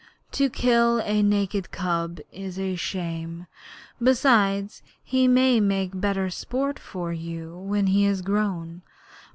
'To kill a naked cub is shame. Besides, he may make better sport for you when he is grown.